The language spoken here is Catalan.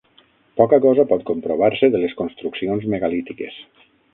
Poca cosa pot comprovar-se de les construccions megalítiques.